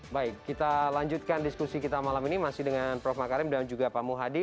baik kita lanjutkan diskusi kita malam ini masih dengan prof makarim dan juga pak muhadi